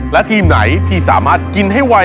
และทีมไหนที่สามารถกินให้ไว